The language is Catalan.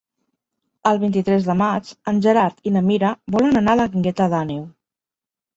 El vint-i-tres de maig en Gerard i na Mira volen anar a la Guingueta d'Àneu.